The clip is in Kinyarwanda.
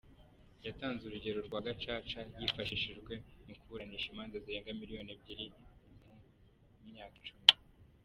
Yatanze urugero rwa Gacaca, yifashishijwe mu kuburanisha imanza zirenga miliyoni ebyiri mu nyaka icumi.